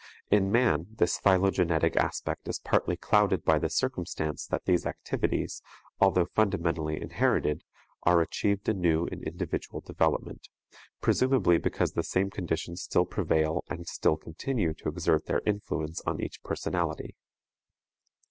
In man this phylogenetic aspect is partly clouded by the circumstance that these activities, although fundamentally inherited, are achieved anew in individual development, presumably because the same conditions still prevail and still continue to exert their influence on each personality.